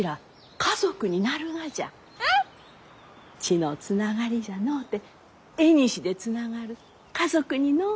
血のつながりじゃのうて縁でつながる家族にのう。